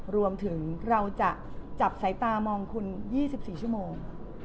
รวมถึงเราจะจับสายตามองคุณ๒๔ชั่วโมง